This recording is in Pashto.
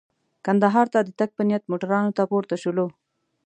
کندهار ته د تګ په نیت موټرانو ته پورته شولو.